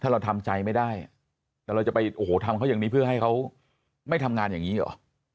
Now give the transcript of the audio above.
เราทำใจไม่ได้แต่เราจะไปโอ้โหทำเขาอย่างนี้เพื่อให้เขาไม่ทำงานอย่างนี้หรอ